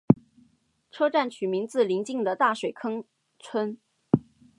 车站取名自邻近的大水坑村。